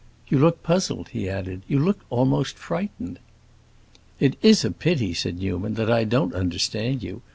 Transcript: "You look puzzled," he added; "you look almost frightened." "It is a pity," said Newman, "that I don't understand you.